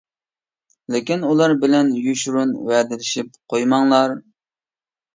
لېكىن ئۇلار بىلەن يوشۇرۇن ۋەدىلىشىپ قويماڭلار.